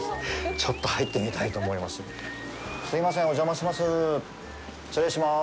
ちょっと入ってみたいと思います。